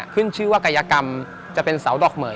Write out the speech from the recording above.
ขึ้นชื่อว่ากายกรรมจะเป็นเสาดอกเหมือย